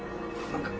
何か。